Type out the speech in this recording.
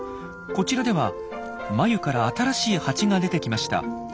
こちらでは繭から新しいハチが出てきました。